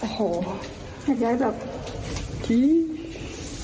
โอ้โหแหดย้ายแบบ